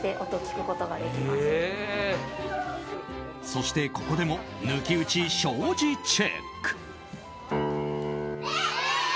そして、ここでも抜き打ち庄司チェック。